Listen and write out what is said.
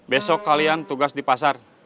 besok kalian tugas di pasar